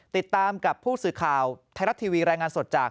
ติดตามกับผู้สื่อข่าวไทยรัฐทีวีรายงานสดจาก